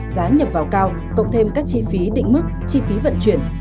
giá nhập vào cao cộng thêm các chi phí định mức chi phí vận chuyển